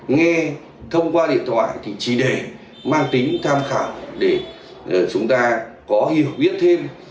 nghe thông qua điện thoại thì chỉ để mang tính tham khảo để chúng ta có hiểu biết thêm